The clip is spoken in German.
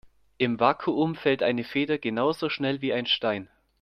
Im Vakuum fällt eine Feder genauso schnell wie ein Stein.